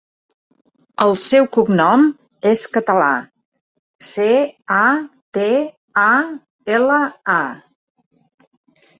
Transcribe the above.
El seu cognom és Catala: ce, a, te, a, ela, a.